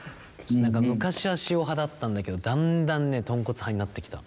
昔は塩派だったんだけどだんだんねとんこつ派になってきた。